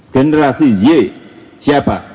generasi y siapa